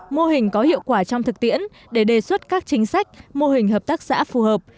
mô hình có hiệu quả trong thực tiễn để đề xuất các chính sách mô hình hợp tác xã phù hợp